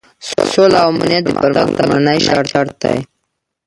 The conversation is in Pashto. سوله او امنیت د پرمختګ لومړنی شرط دی.